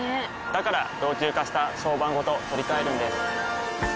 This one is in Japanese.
から老朽化した床版ごと取り替えるんです。